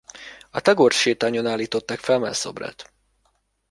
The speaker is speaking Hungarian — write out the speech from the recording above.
A Tagore-sétányon állították fel mellszobrát.